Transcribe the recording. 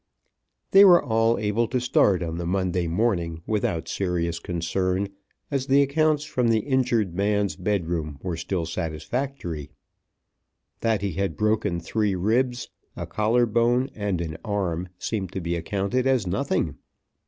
They were all able to start on the Monday morning without serious concern, as the accounts from the injured man's bed room were still satisfactory. That he had broken three ribs, a collar bone, and an arm seemed to be accounted as nothing.